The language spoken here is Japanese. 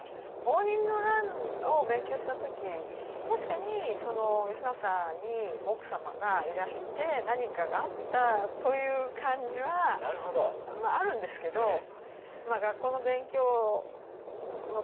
応仁の乱を勉強した時確かに義政に奥様がいらして何かがあったという感じはあるんですけど学校の勉強の程度というか。